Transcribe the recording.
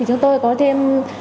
chúng tôi có thêm